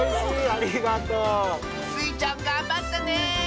ありがとう！スイちゃんがんばったね！